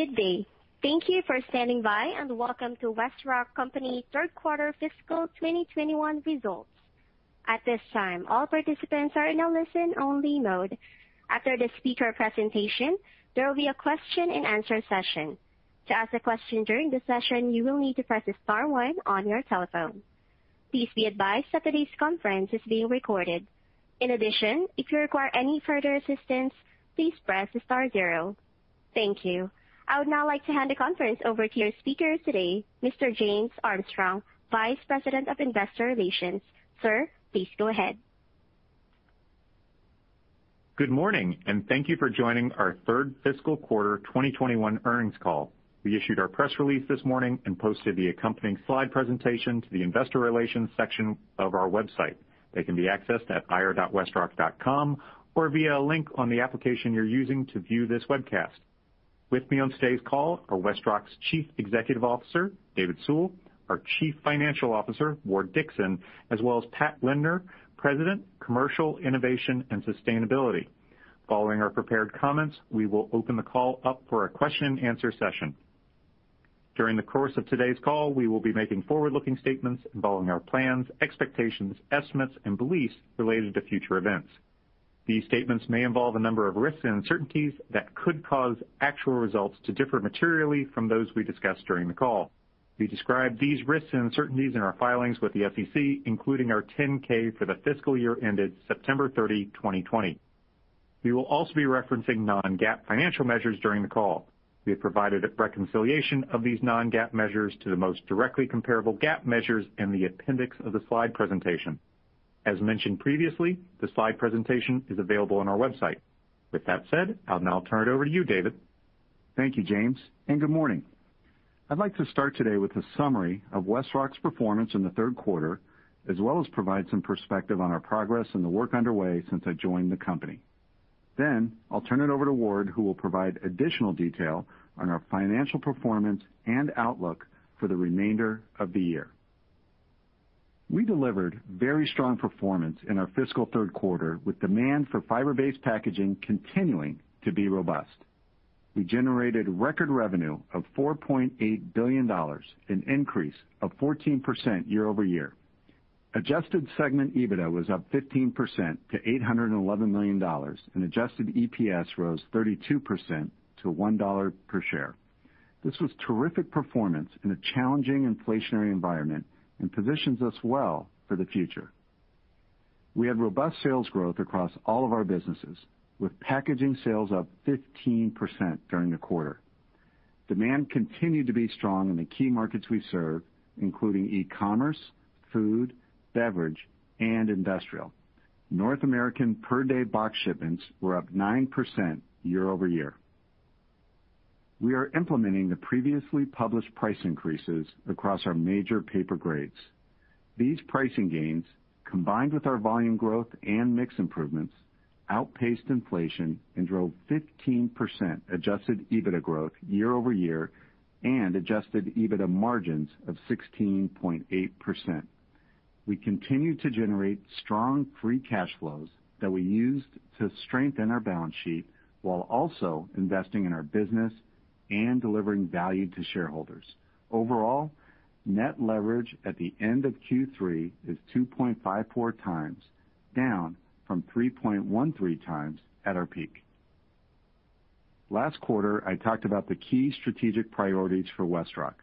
Good day, thank you for standing by and welcome to WestRock Company third quarter fiscal 2021 results. At this time, all participants are in listen-only mode. After the speaker presentation, there will be a question and answer session. To ask a question during the session, you will need to press star one on your telephone. Please be advised that this conference is being recorded. In addition, if you require any further assistance, please press star zero. Thank you. I would now like to hand the conference over to yourI would now like to hand the conference over to your speaker today, Mr. James Armstrong, Vice President of Investor Relations. Sir, please go ahead. Good morning, and thank you for joining our third fiscal quarter 2021 earnings call. We issued our press release this morning and posted the accompanying slide presentation to the investor relations section of our website. They can be accessed at ir.westrock.com or via a link on the application you're using to view this webcast. With me on today's call are WestRock's Chief Executive Officer, David Sewell, our Chief Financial Officer, Ward Dickson, as well as Pat Lindner, President, Commercial, Innovation, and Sustainability. Following our prepared comments, we will open the call up for a question-and-answer session. During the course of today's call, we will be making forward-looking statements involving our plans, expectations, estimates, and beliefs related to future events. These statements may involve a number of risks and uncertainties that could cause actual results to differ materially from those we discuss during the call. We describe these risks and uncertainties in our filings with the SEC, including our 10-K for the fiscal year ended September 30, 2020. We will also be referencing non-GAAP financial measures during the call. We have provided a reconciliation of these non-GAAP measures to the most directly comparable GAAP measures in the appendix of the slide presentation. As mentioned previously, the slide presentation is available on our website. With that said, I'll now turn it over to you, David. Thank you, James, and good morning. I'd like to start today with a summary of WestRock's performance in the third quarter, as well as provide some perspective on our progress and the work underway since I joined the company. I'll turn it over to Ward, who will provide additional detail on our financial performance and outlook for the remainder of the year. We delivered very strong performance in our fiscal third quarter, with demand for fiber-based packaging continuing to be robust. We generated record revenue of $4.8 billion, an increase of 14% year-over-year. Adjusted segment EBITDA was up 15% to $811 million, and adjusted EPS rose 32% to $1 per share. This was terrific performance in a challenging inflationary environment and positions us well for the future. We had robust sales growth across all of our businesses, with packaging sales up 15% during the quarter. Demand continued to be strong in the key markets we serve, including e-commerce, food, beverage, and industrial. North American per-day box shipments were up 9% year-over-year. We are implementing the previously published price increases across our major paper grades. These pricing gains, combined with our volume growth and mix improvements, outpaced inflation and drove 15% adjusted EBITDA growth year-over-year and adjusted EBITDA margins of 16.8%. We continued to generate strong free cash flows that we used to strengthen our balance sheet while also investing in our business and delivering value to shareholders. Overall, net leverage at the end of Q3 is 2.54x, down from 3.13x at our peak. Last quarter, I talked about the key strategic priorities for WestRock,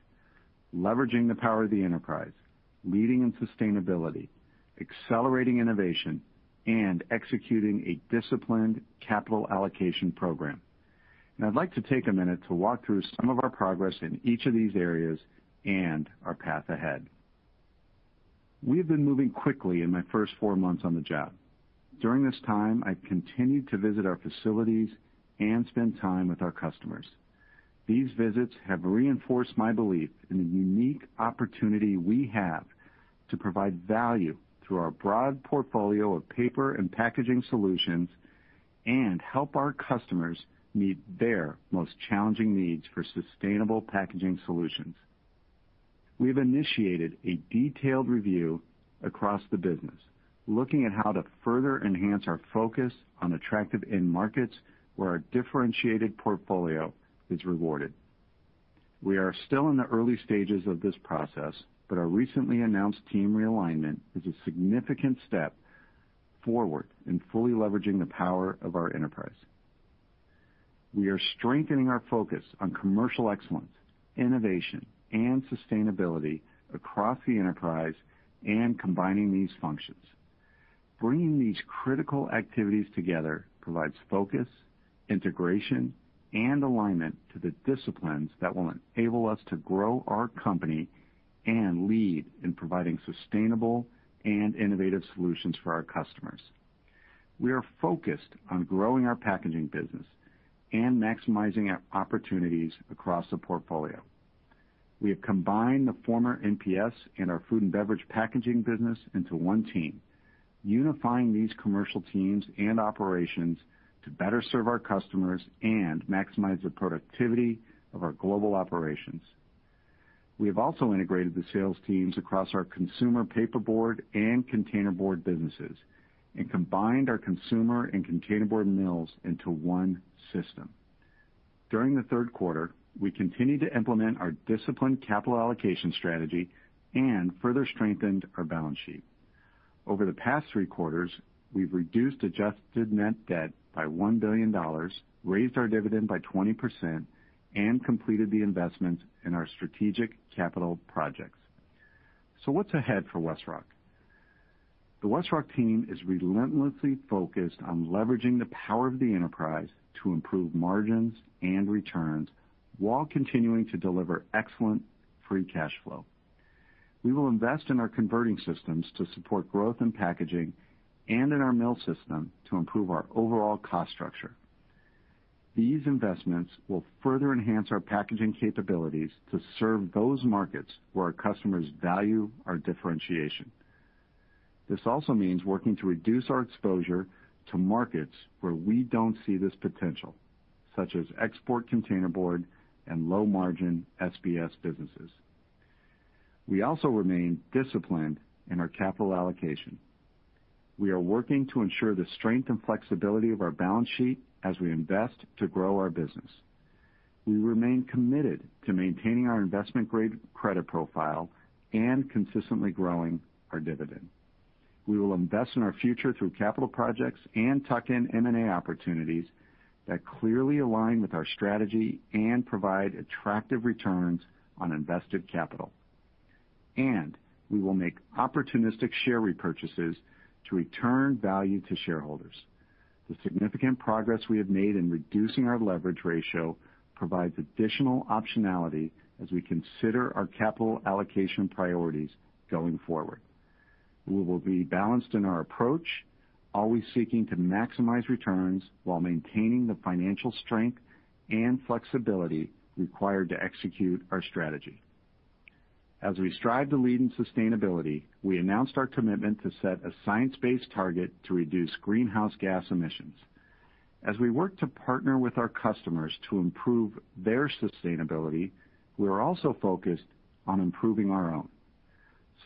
leveraging the power of the enterprise, leading in sustainability, accelerating innovation, and executing a disciplined capital allocation program. I'd like to take a minute to walk through some of our progress in each of these areas and our path ahead. We have been moving quickly in my first four months on the job. During this time, I continued to visit our facilities and spend time with our customers. These visits have reinforced my belief in the unique opportunity we have to provide value through our broad portfolio of paper and packaging solutions and help our customers meet their most challenging needs for sustainable packaging solutions. We have initiated a detailed review across the business, looking at how to further enhance our focus on attractive end markets where our differentiated portfolio is rewarded. We are still in the early stages of this process, but our recently announced team realignment is a significant step forward in fully leveraging the power of our enterprise. We are strengthening our focus on commercial excellence, innovation, and sustainability across the enterprise and combining these functions. Bringing these critical activities together provides focus, integration, and alignment to the disciplines that will enable us to grow our company and lead in providing sustainable and innovative solutions for our customers. We are focused on growing our packaging business and maximizing our opportunities across the portfolio. We have combined the former MPS and our food and beverage packaging business into one team, unifying these commercial teams and operations to better serve our customers and maximize the productivity of our global operations. We have also integrated the sales teams across our consumer paperboard and containerboard businesses and combined our consumer and containerboard mills into one system. During the third quarter, we continued to implement our disciplined capital allocation strategy and further strengthened our balance sheet. Over the past three quarters, we've reduced adjusted net debt by $1 billion, raised our dividend by 20%, and completed the investments in our strategic capital projects. What's ahead for WestRock? The WestRock team is relentlessly focused on leveraging the power of the enterprise to improve margins and returns while continuing to deliver excellent free cash flow. We will invest in our converting systems to support growth in packaging and in our mill system to improve our overall cost structure. These investments will further enhance our packaging capabilities to serve those markets where our customers value our differentiation. This also means working to reduce our exposure to markets where we don't see this potential, such as export containerboard and low-margin SBS businesses. We also remain disciplined in our capital allocation. We are working to ensure the strength and flexibility of our balance sheet as we invest to grow our business. We remain committed to maintaining our investment-grade credit profile and consistently growing our dividend. We will invest in our future through capital projects and tuck-in M&A opportunities that clearly align with our strategy and provide attractive returns on invested capital. We will make opportunistic share repurchases to return value to shareholders. The significant progress we have made in reducing our leverage ratio provides additional optionality as we consider our capital allocation priorities going forward. We will be balanced in our approach, always seeking to maximize returns while maintaining the financial strength and flexibility required to execute our strategy. As we strive to lead in sustainability, we announced our commitment to set a science-based target to reduce greenhouse gas emissions. As we work to partner with our customers to improve their sustainability, we are also focused on improving our own.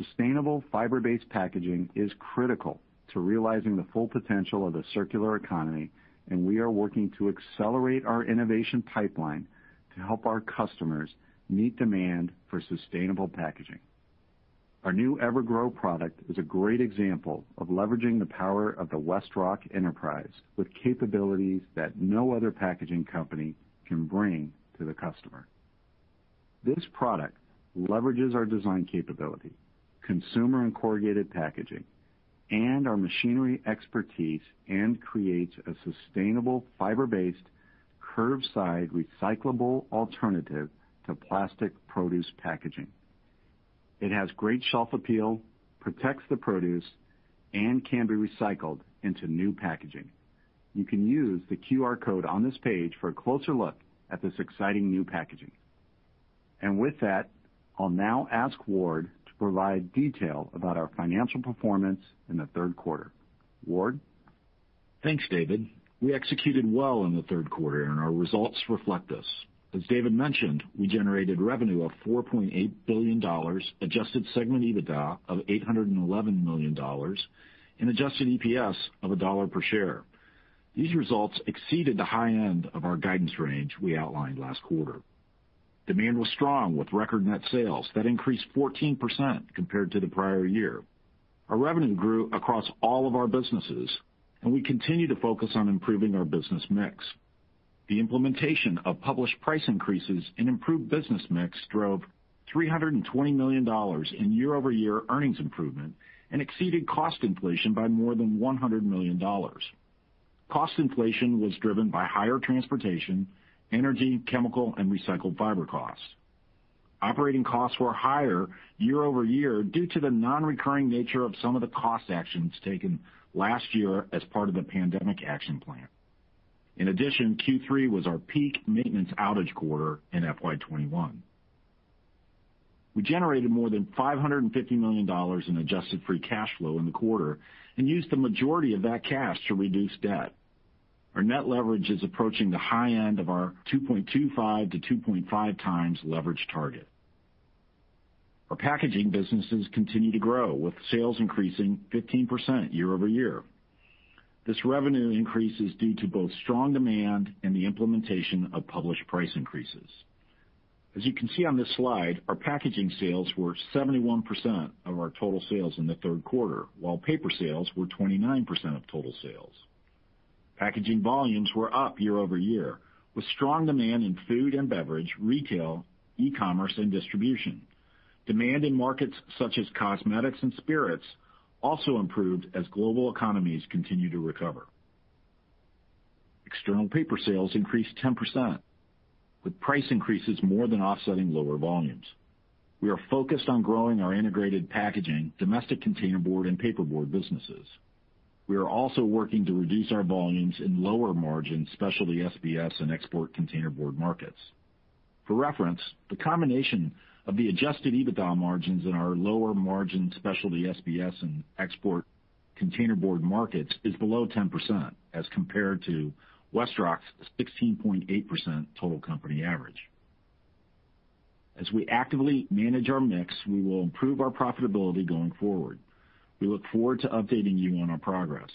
Sustainable fiber-based packaging is critical to realizing the full potential of the circular economy, and we are working to accelerate our innovation pipeline to help our customers meet demand for sustainable packaging. Our new EverGrow product is a great example of leveraging the power of the WestRock enterprise with capabilities that no other packaging company can bring to the customer. This product leverages our design capability, consumer and corrugated packaging, and our machinery expertise and creates a sustainable, fiber-based, curbside recyclable alternative to plastic produce packaging. It has great shelf appeal, protects the produce, and can be recycled into new packaging. You can use the QR code on this page for a closer look at this exciting new packaging. I'll now ask Ward to provide detail about our financial performance in the third quarter. Ward? Thanks, David. We executed well in the third quarter, and our results reflect this. As David mentioned, we generated revenue of $4.8 billion, adjusted segment EBITDA of $811 million, and adjusted EPS of $1 per share. These results exceeded the high end of our guidance range we outlined last quarter. Demand was strong, with record net sales that increased 14% compared to the prior year. Our revenue grew across all of our businesses, and we continue to focus on improving our business mix. The implementation of published price increases and improved business mix drove $320 million in year-over-year earnings improvement and exceeded cost inflation by more than $100 million. Cost inflation was driven by higher transportation, energy, chemical, and recycled fiber costs. Operating costs were higher year-over-year due to the non-recurring nature of some of the cost actions taken last year as part of the pandemic action plan. Q3 was our peak maintenance outage quarter in FY 2021. We generated more than $550 million in adjusted free cash flow in the quarter and used the majority of that cash to reduce debt. Our net leverage is approaching the high end of our 2.25x-2.5x leverage target. Our packaging businesses continue to grow, with sales increasing 15% year-over-year. This revenue increase is due to both strong demand and the implementation of published price increases. As you can see on this slide, our packaging sales were 71% of our total sales in the third quarter, while paper sales were 29% of total sales. Packaging volumes were up year-over-year, with strong demand in food and beverage, retail, e-commerce, and distribution. Demand in markets such as cosmetics and spirits also improved as global economies continue to recover. External paper sales increased 10%, with price increases more than offsetting lower volumes. We are focused on growing our integrated packaging, domestic containerboard, and paperboard businesses. We are also working to reduce our volumes in lower-margin specialty SBS and export containerboard markets. For reference, the combination of the adjusted EBITDA margins in our lower-margin specialty SBS and export containerboard markets is below 10%, as compared to WestRock's 16.8% total company average. As we actively manage our mix, we will improve our profitability going forward. We look forward to updating you on our progress.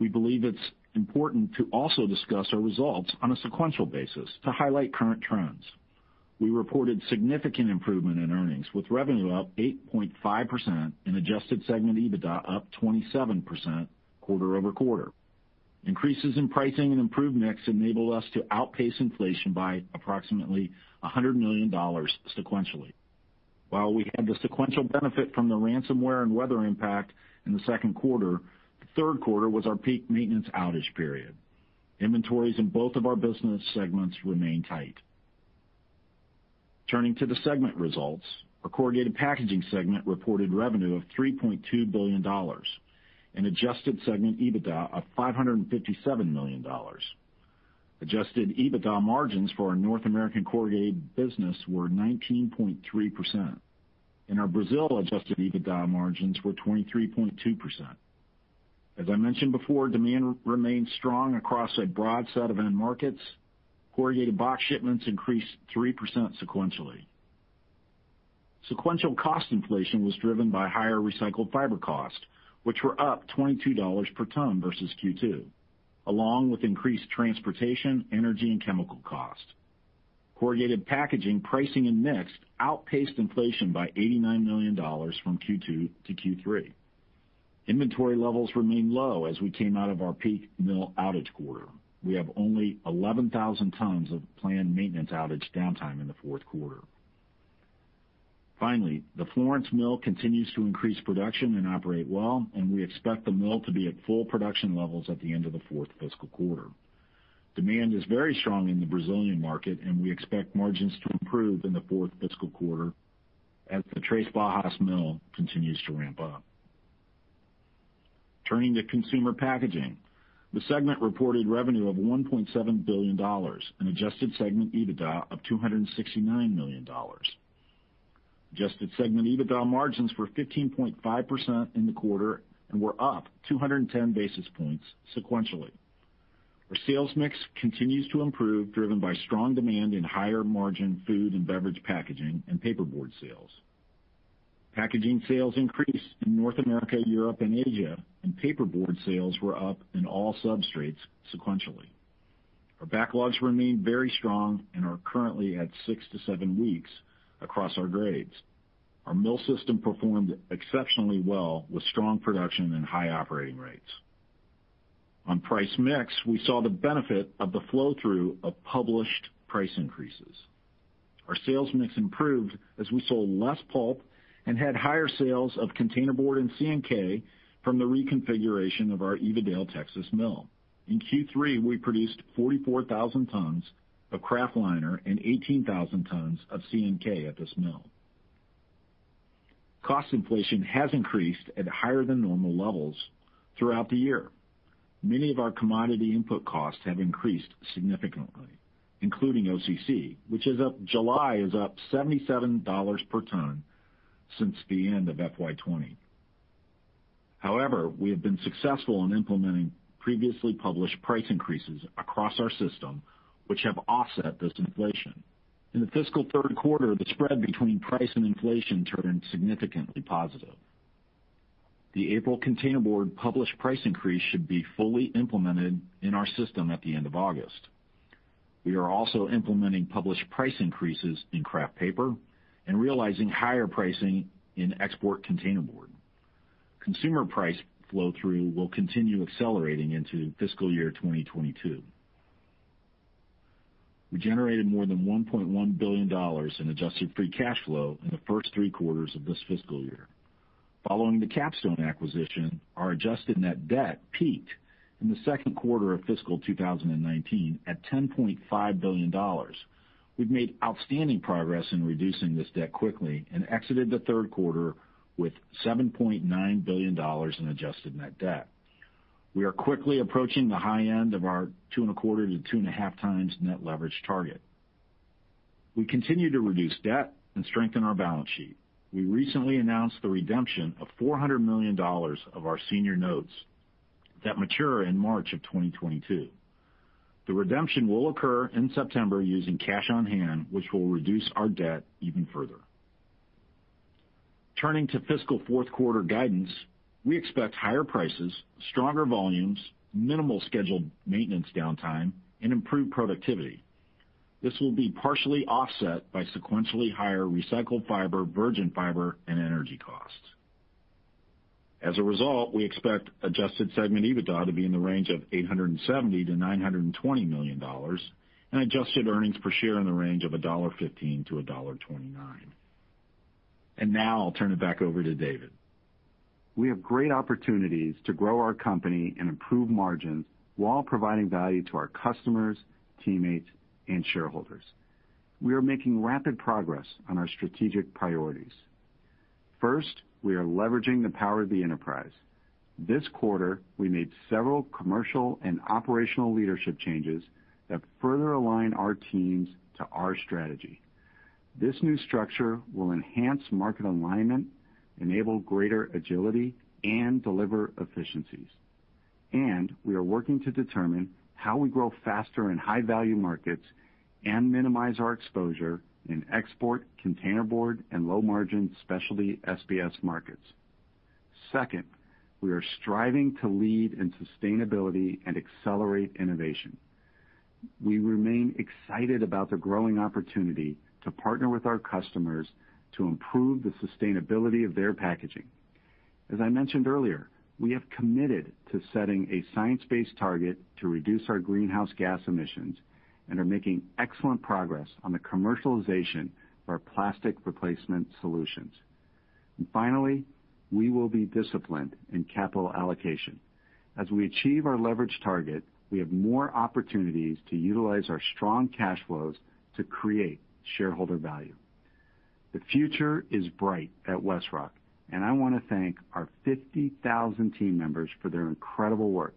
We believe it's important to also discuss our results on a sequential basis to highlight current trends. We reported significant improvement in earnings, with revenue up 8.5% and adjusted segment EBITDA up 27% quarter-over-quarter. Increases in pricing and improved mix enabled us to outpace inflation by approximately $100 million sequentially. While we had the sequential benefit from the ransomware and weather impact in the second quarter, the third quarter was our peak maintenance outage period. Inventories in both of our business segments remain tight. Turning to the segment results, our Corrugated Packaging segment reported revenue of $3.2 billion and adjusted segment EBITDA of $557 million. Adjusted EBITDA margins for our North American corrugated business were 19.3%, and our Brazil adjusted EBITDA margins were 23.2%. As I mentioned before, demand remained strong across a broad set of end markets. Corrugated box shipments increased 3% sequentially. Sequential cost inflation was driven by higher recycled fiber costs, which were up $22 per ton versus Q2, along with increased transportation, energy, and chemical costs. Corrugated Packaging pricing and mix outpaced inflation by $89 million from Q2 to Q3. Inventory levels remained low as we came out of our peak mill outage quarter. We have only 11,000 tons of planned maintenance outage downtime in the fourth quarter. The Florence mill continues to increase production and operate well, and we expect the mill to be at full production levels at the end of the fourth fiscal quarter. Demand is very strong in the Brazilian market, and we expect margins to improve in the fourth fiscal quarter as the Três Barras mill continues to ramp up. Turning to Consumer Packaging, the segment reported revenue of $1.7 billion and adjusted segment EBITDA of $269 million. Adjusted segment EBITDA margins were 15.5% in the quarter and were up 210 basis points sequentially. Our sales mix continues to improve, driven by strong demand in higher-margin food and beverage packaging and paperboard sales. Packaging sales increased in North America, Europe, and Asia, and paperboard sales were up in all substrates sequentially. Our backlogs remain very strong and are currently at six to seven weeks across our grades. Our mill system performed exceptionally well with strong production and high operating rates. On price mix, we saw the benefit of the flow-through of published price increases. Our sales mix improved as we sold less pulp and had higher sales of containerboard and CNK from the reconfiguration of our Evadale, Texas mill. In Q3, we produced 44,000 tons of kraft liner and 18,000 tons of CNK at this mill. Cost inflation has increased at higher than normal levels throughout the year. Many of our commodity input costs have increased significantly, including OCC, which as of July is up $77 per ton since the end of FY 2020. We have been successful in implementing previously published price increases across our system, which have offset this inflation. In the fiscal third quarter, the spread between price and inflation turned significantly positive. The April containerboard published price increase should be fully implemented in our system at the end of August. We are also implementing published price increases in kraft paper and realizing higher pricing in export containerboard. Consumer price flow-through will continue accelerating into fiscal year 2022. We generated more than $1.1 billion in adjusted free cash flow in the first three quarters of this fiscal year. Following the KapStone acquisition, our adjusted net debt peaked in the second quarter of fiscal 2019 at $10.5 billion. We've made outstanding progress in reducing this debt quickly and exited the third quarter with $7.9 billion in adjusted net debt. We are quickly approaching the high end of our two and a quarter to two and a half times net leverage target. We continue to reduce debt and strengthen our balance sheet. We recently announced the redemption of $400 million of our senior notes that mature in March of 2022. The redemption will occur in September using cash on hand, which will reduce our debt even further. Turning to fiscal fourth quarter guidance, we expect higher prices, stronger volumes, minimal scheduled maintenance downtime, and improved productivity. This will be partially offset by sequentially higher recycled fiber, virgin fiber, and energy costs. Result, we expect adjusted segment EBITDA to be in the range of $870 million-$920 million and adjusted earnings per share in the range of $1.15-$1.29. Now I'll turn it back over to David. We have great opportunities to grow our company and improve margins while providing value to our customers, teammates, and shareholders. We are making rapid progress on our strategic priorities. First, we are leveraging the power of the enterprise. This quarter, we made several commercial and operational leadership changes that further align our teams to our strategy. This new structure will enhance market alignment, enable greater agility, and deliver efficiencies. We are working to determine how we grow faster in high-value markets and minimize our exposure in export, containerboard, and low-margin specialty SBS markets. Second, we are striving to lead in sustainability and accelerate innovation. We remain excited about the growing opportunity to partner with our customers to improve the sustainability of their packaging. As I mentioned earlier, we have committed to setting a science-based target to reduce our greenhouse gas emissions and are making excellent progress on the commercialization of our plastic replacement solutions. Finally, we will be disciplined in capital allocation. As we achieve our leverage target, we have more opportunities to utilize our strong cash flows to create shareholder value. The future is bright at WestRock, and I want to thank our 50,000 team members for their incredible work.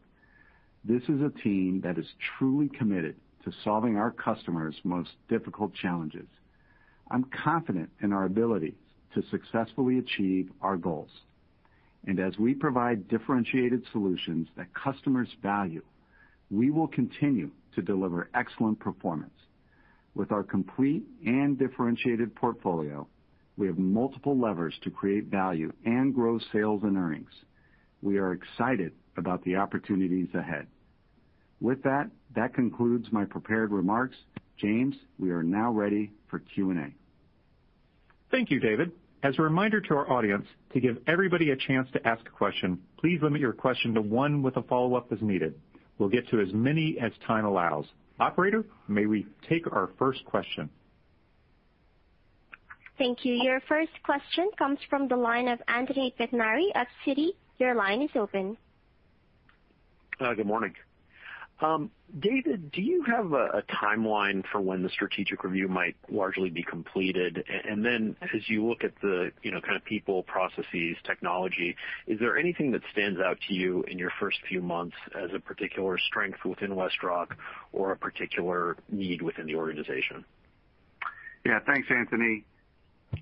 This is a team that is truly committed to solving our customers' most difficult challenges. I'm confident in our ability to successfully achieve our goals. As we provide differentiated solutions that customers value, we will continue to deliver excellent performance. With our complete and differentiated portfolio, we have multiple levers to create value and grow sales and earnings. We are excited about the opportunities ahead. With that concludes my prepared remarks. James, we are now ready for Q&A. Thank you, David. As a reminder to our audience, to give everybody a chance to ask a question, please limit your question to one with a follow-up as needed. We will get to as many as time allows. Operator, may we take our first question? Thank you. Your first question comes from the line of Anthony Pettinari of Citigroup. Your line is open. Good morning. David, do you have a timeline for when the strategic review might largely be completed? And then as you look at the kind of people, processes, technology, is there anything that stands out to you in your first few months as a particular strength within WestRock or a particular need within the organization? Yeah. Thanks, Anthony. A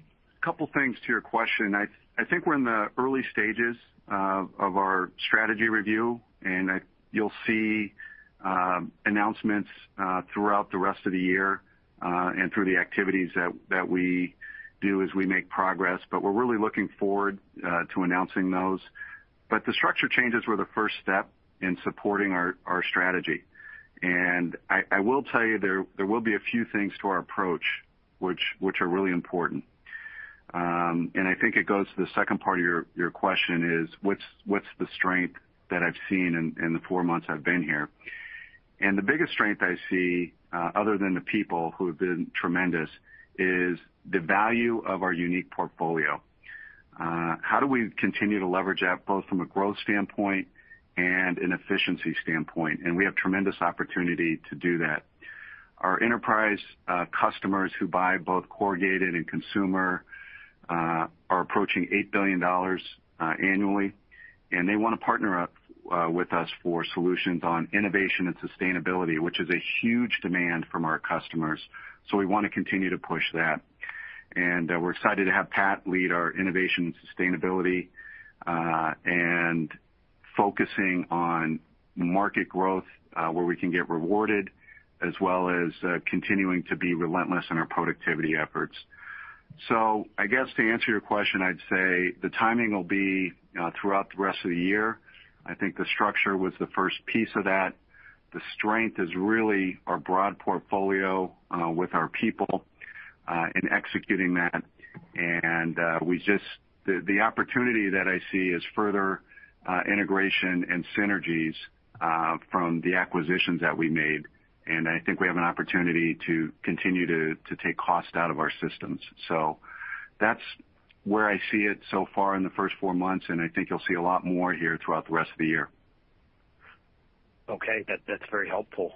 couple of things to your question. I think we're in the early stages of our strategy review, and you'll see announcements throughout the rest of the year, and through the activities that we do as we make progress. We're really looking forward to announcing those. The structure changes were the first step in supporting our strategy. I will tell you, there will be a few things to our approach which are really important. I think it goes to the second part of your question is what's the strength that I've seen in the four months I've been here? The biggest strength I see, other than the people, who have been tremendous, is the value of our unique portfolio. How do we continue to leverage that both from a growth standpoint and an efficiency standpoint? We have tremendous opportunity to do that. Our enterprise customers who buy both corrugated and consumer are approaching $8 billion annually. They want to partner up with us for solutions on innovation and sustainability, which is a huge demand from our customers. We want to continue to push that. We're excited to have Pat lead our innovation and sustainability, and focusing on market growth, where we can get rewarded, as well as continuing to be relentless in our productivity efforts. I guess to answer your question, I'd say the timing will be throughout the rest of the year. I think the structure was the first piece of that. The strength is really our broad portfolio with our people in executing that. The opportunity that I see is further integration and synergies from the acquisitions that we made. I think we have an opportunity to continue to take cost out of our systems. That's where I see it so far in the first four months, and I think you'll see a lot more here throughout the rest of the year. Okay. That's very helpful.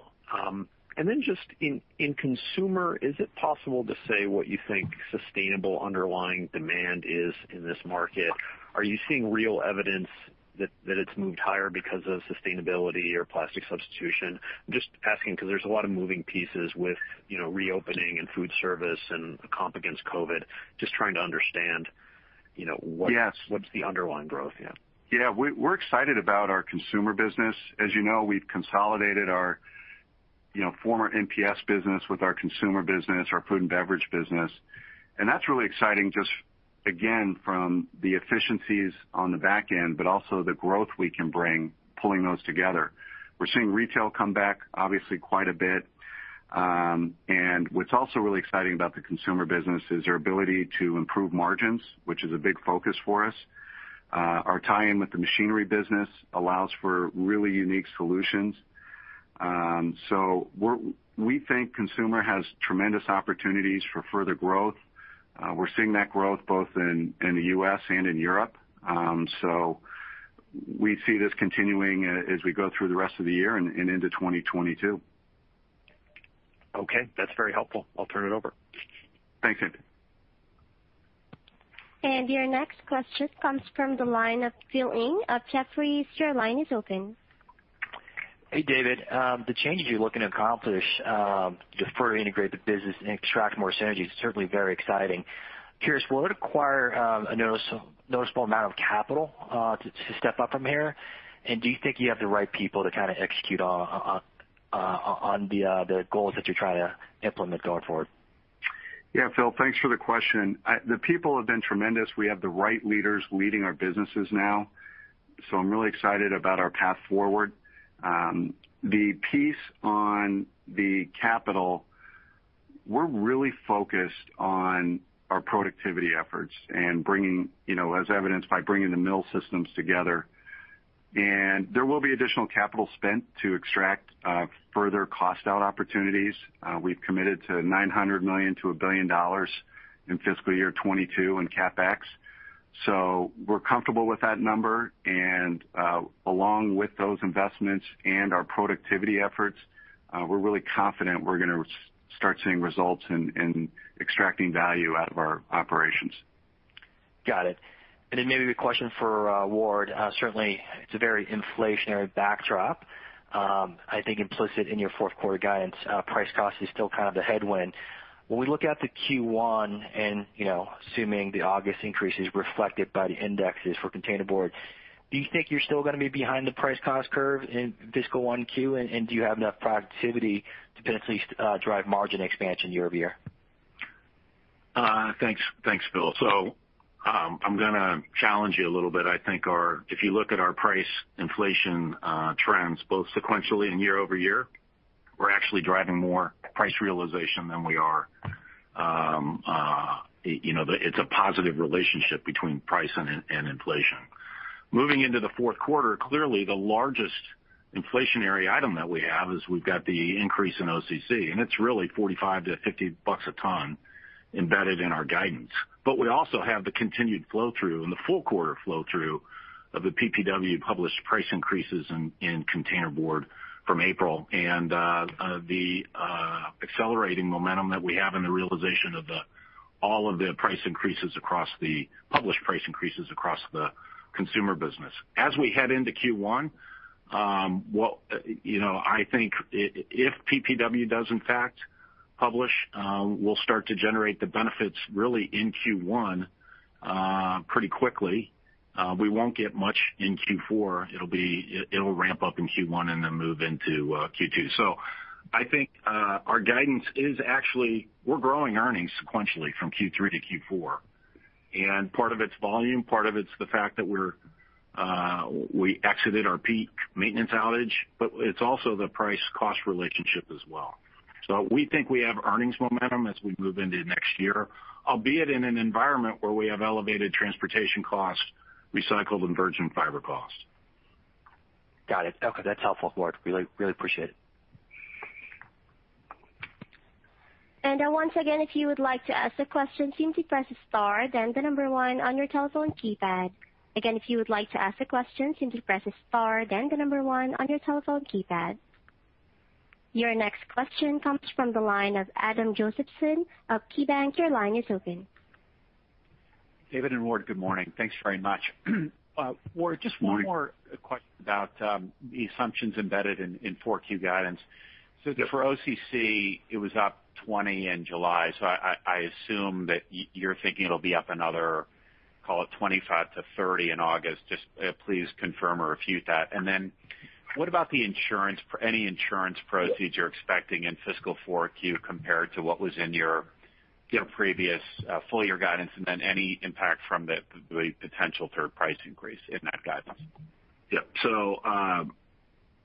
Just in consumer, is it possible to say what you think sustainable underlying demand is in this market? Are you seeing real evidence that it's moved higher because of sustainability or plastic substitution? I'm just asking because there's a lot of moving pieces with reopening and food service and the comp against COVID. Yes. What's the underlying growth here? Yeah. We're excited about our consumer business. As you know, we've consolidated our former MPS business with our consumer business, our food and beverage business. That's really exciting just, again, from the efficiencies on the back end, but also the growth we can bring pulling those together. We're seeing retail come back, obviously, quite a bit. What's also really exciting about the consumer business is their ability to improve margins, which is a big focus for us. Our tie-in with the machinery business allows for really unique solutions. We think consumer has tremendous opportunities for further growth. We're seeing that growth both in the U.S. and in Europe. We see this continuing as we go through the rest of the year and into 2022. Okay. That's very helpful. I'll turn it over. Thanks, Anthony. Your next question comes from the line of Phil Ng of Jefferies. Your line is open. Hey, David. The changes you're looking to accomplish to further integrate the business and extract more synergies is certainly very exciting. Curious, will it require a noticeable amount of capital to step up from here? Do you think you have the right people to kind of execute on the goals that you're trying to implement going forward? Yeah, Phil, thanks for the question. The people have been tremendous. We have the right leaders leading our businesses now. I'm really excited about our path forward. The piece on the capital, we're really focused on our productivity efforts, as evidenced by bringing the mill systems together. There will be additional capital spent to extract further cost out opportunities. We've committed to $900 million-$1 billion in FY 2022 in CapEx. We're comfortable with that number. Along with those investments and our productivity efforts, we're really confident we're going to start seeing results in extracting value out of our operations. Got it. Then maybe the question for Ward. Certainly, it's a very inflationary backdrop. I think implicit in your fourth quarter guidance, price-cost is still kind of the headwind. When we look out to Q1, and assuming the August increase is reflected by the indexes for containerboard, do you think you're still going to be behind the price-cost curve in fiscal 1Q, and do you have enough productivity to potentially drive margin expansion year-over-year? Thanks, Philip. I'm going to challenge you a little bit. I think if you look at our price inflation trends both sequentially and year-over-year, we're actually driving more price realization than we are. It's a positive relationship between price and inflation. Moving into the fourth quarter, clearly the largest inflationary item that we have is we've got the increase in OCC, it's really $45-$50 a ton embedded in our guidance. We also have the continued flow-through, and the full quarter flow-through, of the PPW published price increases in containerboard from April, and the accelerating momentum that we have in the realization of all of the published price increases across the consumer business. As we head into Q1, I think if PPW does in fact publish, we'll start to generate the benefits really in Q1 pretty quickly. We won't get much in Q4. It'll ramp up in Q1 and then move into Q2. I think our guidance is actually we're growing earnings sequentially from Q3 to Q4, and part of it's volume, part of it's the fact that we exited our peak maintenance outage, but it's also the price-cost relationship as well. We think we have earnings momentum as we move into next year, albeit in an environment where we have elevated transportation costs, recycled and virgin fiber costs. Got it. Okay, that's helpful, Ward. Really appreciate it. Once again, if you would like to ask a question, simply press star then one on your telephone keypad. Again, if you would like to ask a question, simply press star then one on your telephone keypad. Your next question comes from the line of Adam Josephson of KeyBanc. Your line is open. David and Ward, good morning. Thanks very much. Morning. Ward, just one more question about the assumptions embedded in 4Q guidance. For OCC, it was up $20 in July, so I assume that you're thinking it'll be up another, call it $25-$30 in August. Just please confirm or refute that. What about any insurance proceeds you're expecting in fiscal 4Q compared to what was in your previous full-year guidance? Any impact from the potential third price increase in that guidance? Yep.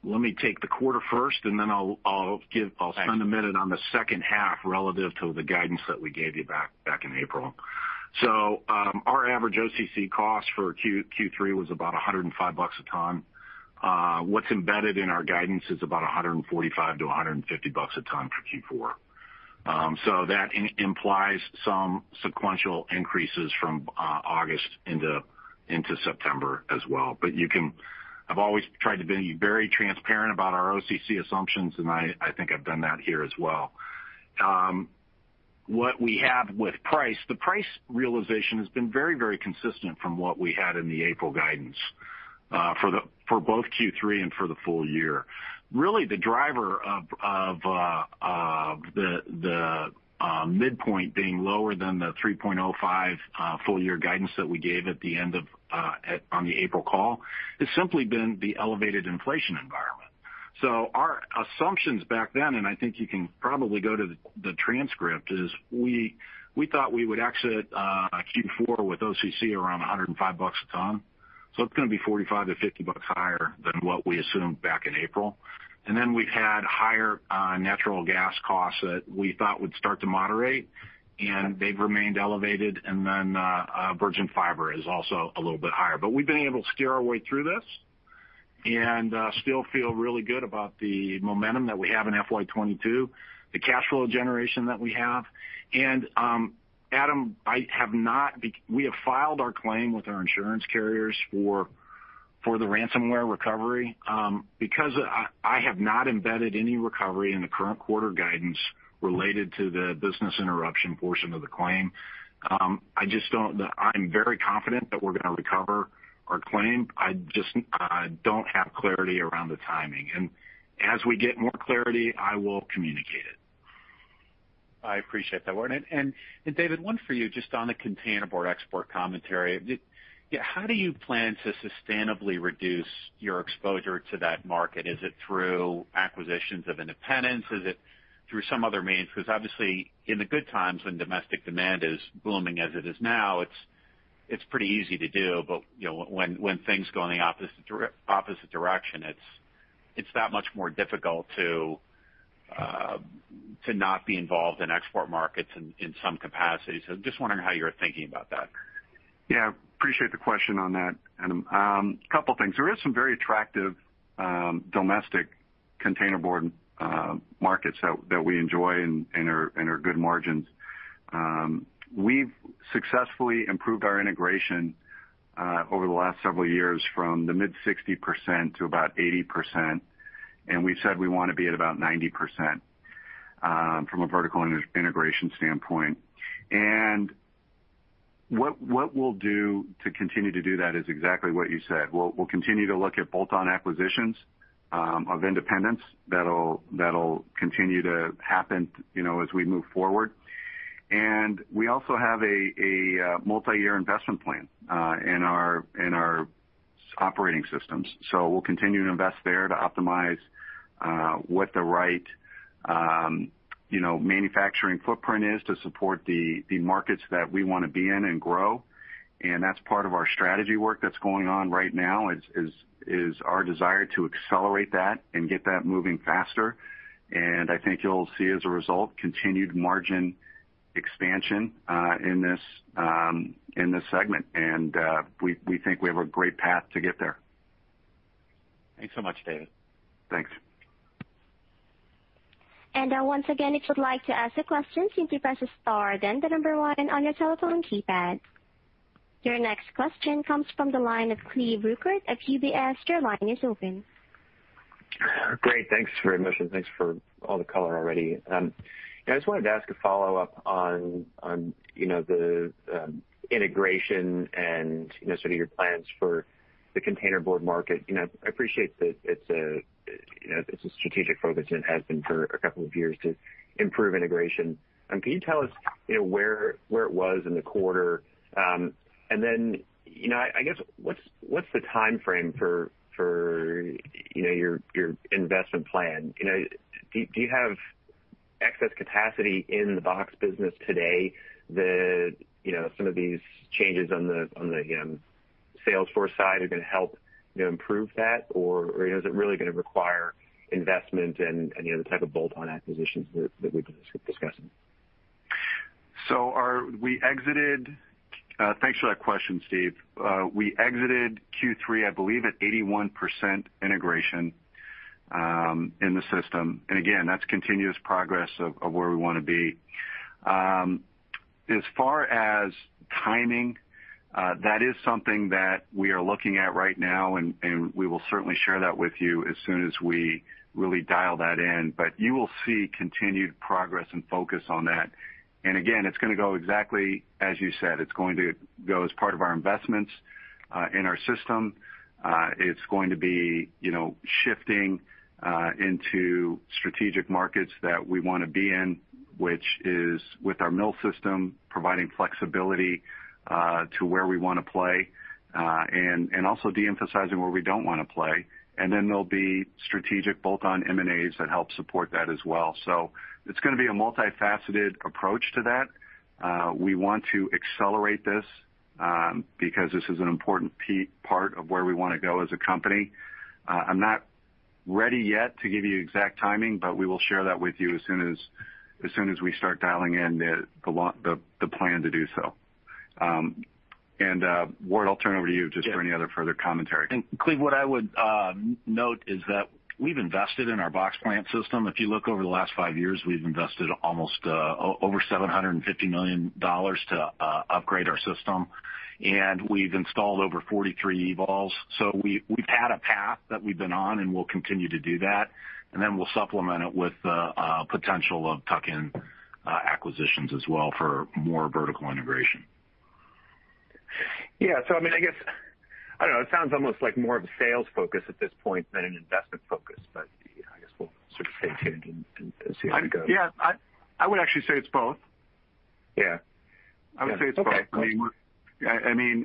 Let me take the quarter first, and then I'll spend a minute on the second half relative to the guidance that we gave you back in April. Our average OCC cost for Q3 was about $105 a ton. What's embedded in our guidance is about $145-$150 a ton for Q4. That implies some sequential increases from August into September as well. I've always tried to be very transparent about our OCC assumptions, and I think I've done that here as well. What we have with price, the price realization has been very consistent from what we had in the April guidance for both Q3 and for the full year. Really the driver of the midpoint being lower than the $3.05 full-year guidance that we gave at the end on the April call, has simply been the elevated inflation environment. Our assumptions back then, and I think you can probably go to the transcript, is we thought we would exit Q4 with OCC around $105 a ton. It's going to be $45-$50 higher than what we assumed back in April. We had higher natural gas costs that we thought would start to moderate, and they've remained elevated. Virgin fiber is also a little bit higher. We've been able to steer our way through this and still feel really good about the momentum that we have in FY 2022, the cash flow generation that we have. Adam, we have filed our claim with our insurance carriers for the ransomware recovery? Because I have not embedded any recovery in the current quarter guidance related to the business interruption portion of the claim. I'm very confident that we're going to recover our claim. I just don't have clarity around the timing, and as we get more clarity, I will communicate it. I appreciate that, Ward. David, one for you, just on the containerboard export commentary. How do you plan to sustainably reduce your exposure to that market? Is it through acquisitions of independents? Is it through some other means? Obviously, in the good times when domestic demand is booming as it is now, it's pretty easy to do. When things go in the opposite direction, it's that much more difficult to not be involved in export markets in some capacity. Just wondering how you're thinking about that. Yeah, appreciate the question on that, Adam. A couple of things. There is some very attractive domestic containerboard markets that we enjoy and are good margins. We've successfully improved our integration over the last several years from the mid-60% to about 80%, and we've said we want to be at about 90% from a vertical integration standpoint. What we'll do to continue to do that is exactly what you said. We'll continue to look at bolt-on acquisitions of independents. That'll continue to happen as we move forward. We also have a multi-year investment plan in our operating systems. We'll continue to invest there to optimize what the right manufacturing footprint is to support the markets that we want to be in and grow. That's part of our strategy work that's going on right now, is our desire to accelerate that and get that moving faster. I think you'll see, as a result, continued margin expansion in this segment. We think we have a great path to get there. Thanks so much, David. Thanks. Once again, if you would like to ask a question, simply press star then the number one on your telephone keypad. Your next question comes from the line of Cleve Rueckert of UBS. Your line is open. Great. Thanks very much, and thanks for all the color already. I just wanted to ask a follow-up on the integration and sort of your plans for the containerboard market. I appreciate that it's a strategic focus and has been for a couple of years to improve integration. Can you tell us where it was in the quarter? I guess, what's the timeframe for your investment plan? Do you have excess capacity in the box business today that some of these changes on the Salesforce side are going to help improve that, or is it really going to require investment and the type of bolt-on acquisitions that we've been discussing? Thanks for that question, Cleve. We exited Q3, I believe, at 81% integration in the system. Again, that's continuous progress of where we want to be. As far as timing, that is something that we are looking at right now, and we will certainly share that with you as soon as we really dial that in. You will see continued progress and focus on that. Again, it's going to go exactly as you said. It's going to go as part of our investments in our system. It's going to be shifting into strategic markets that we want to be in, which is with our mill system, providing flexibility to where we want to play, and also de-emphasizing where we don't want to play. There'll be strategic bolt-on M&As that help support that as well. It's going to be a multifaceted approach to that. We want to accelerate this because this is an important part of where we want to go as a company. I'm not ready yet to give you exact timing, but we will share that with you as soon as we start dialing in the plan to do so. Ward, I'll turn it over to you just for any other further commentary. Cleve, what I would note is that we've invested in our box plant system. If you look over the last five years, we've invested almost over $750 million to upgrade our system. We've installed over 43 EVOLs. We've had a path that we've been on, and we'll continue to do that. We'll supplement it with the potential of tuck-in acquisitions as well for more vertical integration. I guess, I don't know, it sounds almost like more of a sales focus at this point than an investment focus. I guess we'll sort of stay tuned and see how it goes. Yeah. I would actually say it's both. Yeah. I would say it's both. Okay. Got you.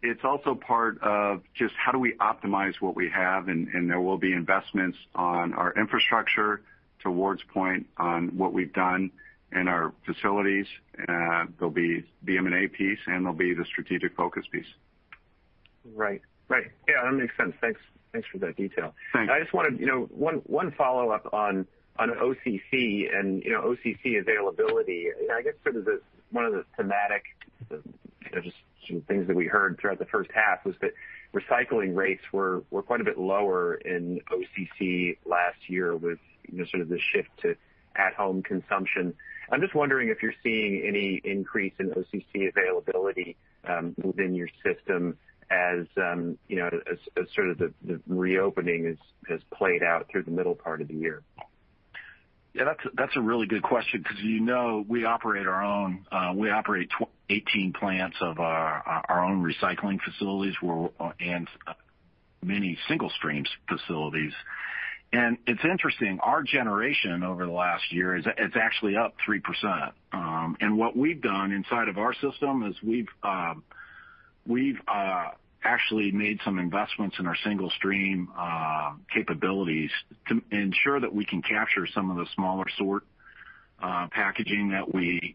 It's also part of just how do we optimize what we have. There will be investments on our infrastructure, to Ward's point, on what we've done in our facilities. There'll be the M&A piece. There'll be the strategic focus piece. Right. Yeah, that makes sense. Thanks for that detail. Thanks. I just wanted one follow-up on OCC and OCC availability. I guess sort of one of the thematic just things that we heard throughout the first half was that recycling rates were quite a bit lower in OCC last year with sort of the shift to at-home consumption. I'm just wondering if you're seeing any increase in OCC availability within your system as sort of the reopening has played out through the middle part of the year. Yeah, that's a really good question because we operate 18 plants of our own recycling facilities and many single-stream facilities. It's interesting, our generation over the last year is actually up 3%. What we've done inside of our system is we've actually made some investments in our single-stream capabilities to ensure that we can capture some of the smaller sort packaging that we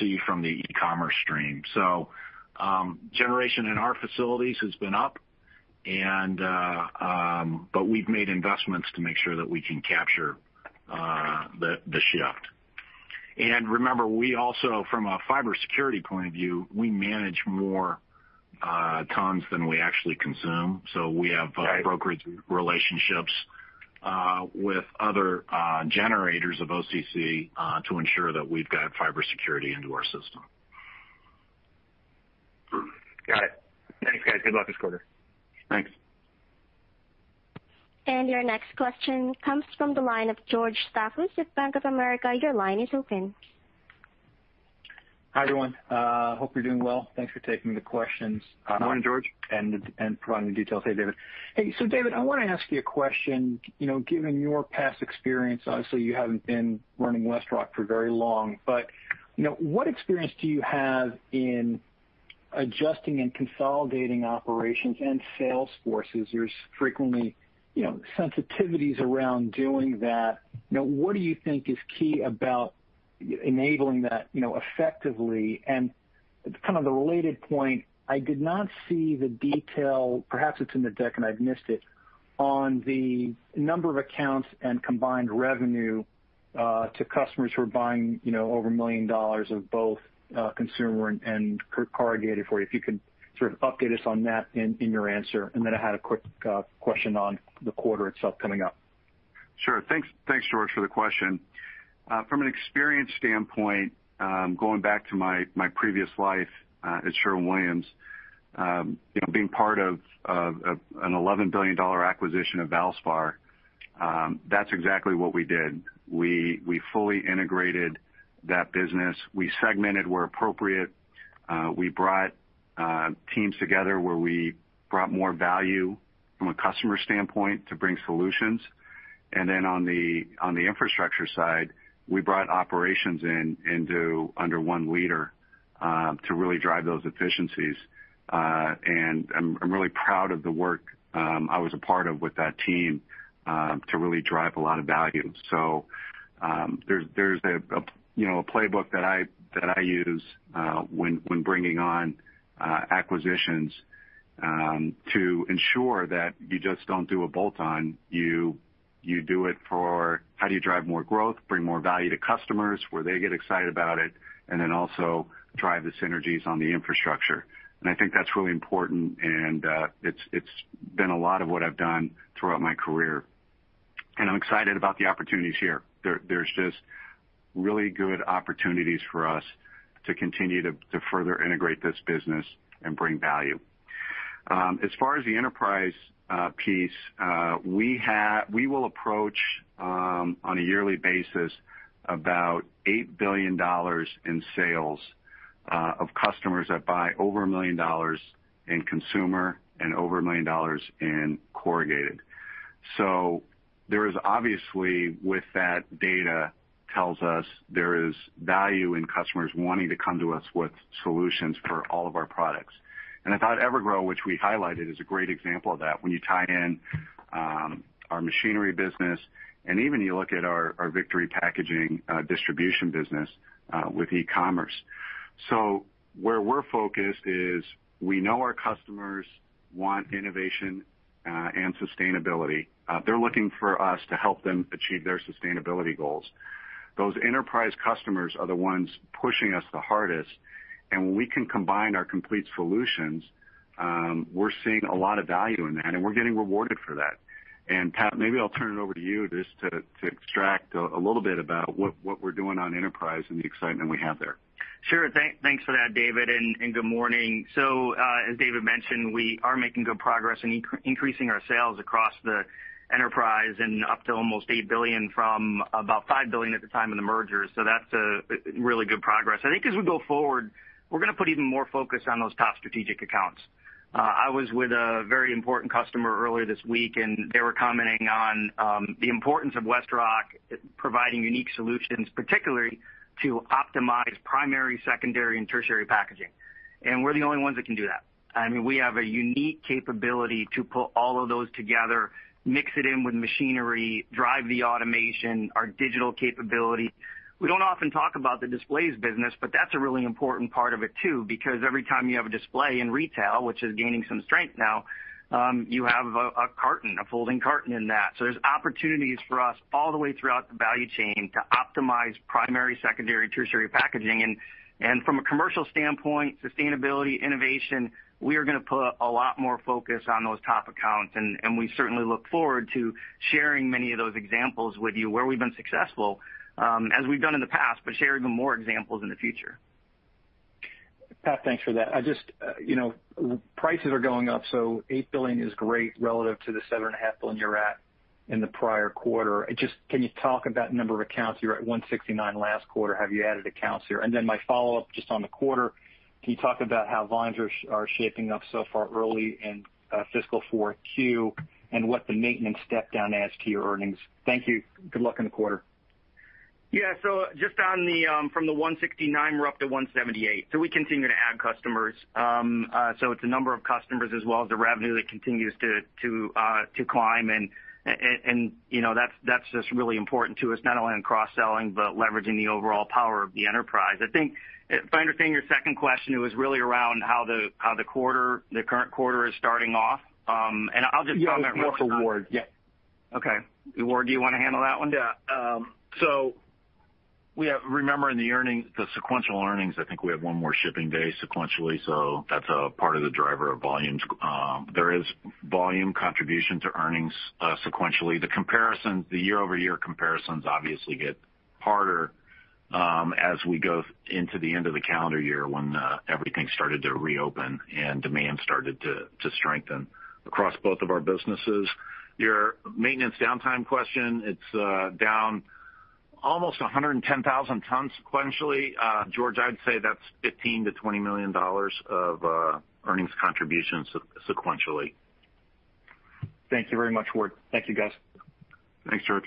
see from the e-commerce stream. Generation in our facilities has been up, but we've made investments to make sure that we can capture the shift. Remember, we also, from a fiber security point of view, manage more tons than we actually consume. Right. Brokerage relationships with other generators of OCC to ensure that we've got fiber security into our system. Got it. Thanks, guys. Good luck this quarter. Thanks. Your next question comes from the line of George Staphos with Bank of America. Your line is open. Hi, everyone. Hope you're going well. Thanks for taking the questions. Morning, George Providing the details. Hey, David. Hey. David, I want to ask you a question. Given your past experience, obviously, you haven't been running WestRock for very long, but what experience do you have in adjusting and consolidating operations and sales forces? There's frequently sensitivities around doing that. What do you think is key about enabling that effectively? Kind of the related point, I did not see the detail, perhaps it's in the deck and I've missed it, on the number of accounts and combined revenue to customers who are buying over $1 million of both consumer and corrugated for you. If you could sort of update us on that in your answer. Then I had a quick question on the quarter itself coming up. Sure. Thanks, George, for the question. From an experience standpoint, going back to my previous life at Sherwin-Williams, being part of an $11 billion acquisition of Valspar, that's exactly what we did. We fully integrated that business. We segmented where appropriate. We brought teams together where we brought more value from a customer standpoint to bring solutions. On the infrastructure side, we brought operations in under one leader to really drive those efficiencies. I'm really proud of the work I was a part of with that team to really drive a lot of value. There's a playbook that I use when bringing on acquisitions to ensure that you just don't do a bolt-on. You do it for how do you drive more growth, bring more value to customers, where they get excited about it, and then also drive the synergies on the infrastructure. I think that's really important, and it's been a lot of what I've done throughout my career. I'm excited about the opportunities here. There's just really good opportunities for us to continue to further integrate this business and bring value. As far as the enterprise piece, we will approach, on a yearly basis, about $8 billion in sales of customers that buy over $1 million in consumer and over $1 million in corrugated. There is obviously, with that data, tells us there is value in customers wanting to come to us with solutions for all of our products. I thought EverGrow, which we highlighted, is a great example of that when you tie in our machinery business and even you look at our Victory Packaging distribution business with e-commerce. Where we're focused is we know our customers want innovation and sustainability. They're looking for us to help them achieve their sustainability goals. Those enterprise customers are the ones pushing us the hardest. When we can combine our complete solutions, we're seeing a lot of value in that, and we're getting rewarded for that. Pat, maybe I'll turn it over to you just to extract a little bit about what we're doing on enterprise and the excitement we have there. Sure. Thanks for that, David, and good morning. As David mentioned, we are making good progress in increasing our sales across the enterprise and up to almost $8 billion from about $5 billion at the time of the merger. That's really good progress. I think as we go forward, we're going to put even more focus on those top strategic accounts. I was with a very important customer earlier this week, and they were commenting on the importance of WestRock providing unique solutions, particularly to optimize primary, secondary, and tertiary packaging. We're the only ones that can do that. We have a unique capability to pull all of those together, mix it in with machinery, drive the automation, our digital capability. We don't often talk about the displays business, but that's a really important part of it too, because every time you have a display in retail, which is gaining some strength now, you have a carton, a folding carton in that. There's opportunities for us all the way throughout the value chain to optimize primary, secondary, tertiary packaging. From a commercial standpoint, sustainability, innovation, we are going to put a lot more focus on those top accounts. We certainly look forward to sharing many of those examples with you where we've been successful as we've done in the past, but share even more examples in the future. Pat, thanks for that. $8 billion is great relative to the $7.5 billion you were at in the prior quarter. Can you talk about number of accounts? You were at 169 last quarter. Have you added accounts here? My follow-up just on the quarter, can you talk about how volumes are shaping up so far early in fiscal 4Q, and what the maintenance step-down adds to your earnings? Thank you. Good luck in the quarter. Yeah. Just from the 169, we're up to 178. We continue to add customers. It's the number of customers as well as the revenue that continues to climb, that's just really important to us, not only in cross-selling, but leveraging the overall power of the enterprise. If I understand your second question, it was really around how the current quarter is starting off. I'll just comment real quick on- Yeah. I'll pass to Ward. Yeah. Okay. Ward, do you want to handle that one? Remember in the sequential earnings, I think we have one more shipping day sequentially, so that's a part of the driver of volumes. There is volume contribution to earnings sequentially. The year-over-year comparisons obviously get harder as we go into the end of the calendar year when everything started to reopen and demand started to strengthen across both of our businesses. Your maintenance downtime question, it's down almost 110,000 tons sequentially. George, I'd say that's $15 million-$20 million of earnings contributions sequentially. Thank you very much, Ward. Thank you, guys. Thanks, George.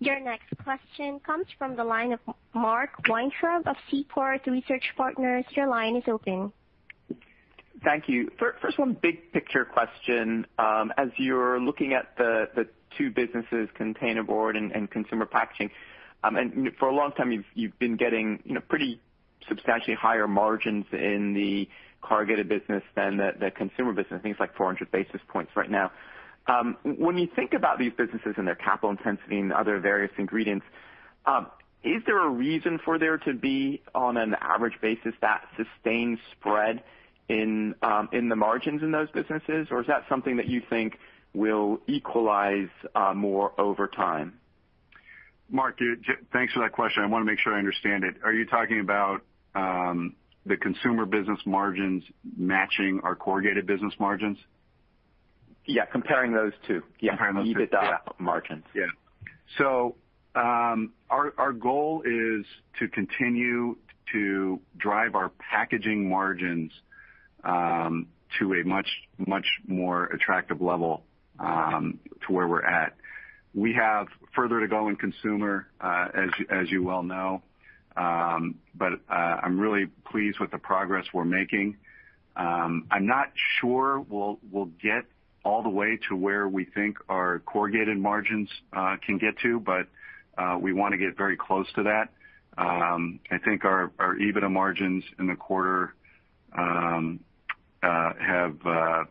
Your next question comes from the line of Mark Weintraub of Seaport Research Partners. Your line is open. Thank you. First one, big picture question. As you're looking at the two businesses, containerboard and Consumer Packaging, for a long time, you've been getting pretty substantially higher margins in the corrugated business than the consumer business, I think it's like 400 basis points right now. When you think about these businesses and their capital intensity and other various ingredients, is there a reason for there to be, on an average basis, that sustained spread in the margins in those businesses, or is that something that you think will equalize more over time? Mark, thanks for that question. I want to make sure I understand it. Are you talking about the consumer business margins matching our corrugated business margins? Yeah, comparing those two. Comparing those two. Yeah. EBITDA margins. Our goal is to continue to drive our packaging margins to a much more attractive level to where we're at. We have further to go in consumer, as you well know, but I'm really pleased with the progress we're making. I'm not sure we'll get all the way to where we think our corrugated margins can get to, but we want to get very close to that. I think our EBITDA margins in the quarter have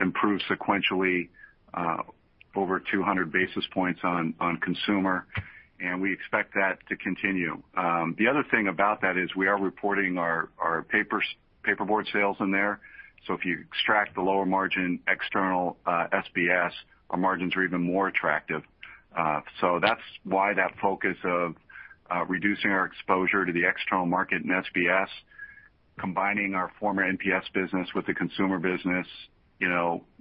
improved sequentially over 200 basis points on consumer, and we expect that to continue. The other thing about that is we are reporting our paperboard sales in there. If you extract the lower margin external SBS, our margins are even more attractive. That's why that focus of reducing our exposure to the external market in SBS, combining our former MPS business with the consumer business,